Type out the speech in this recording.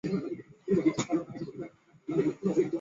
出身于福冈县。